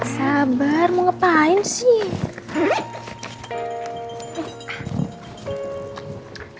sabar mau ngapain sih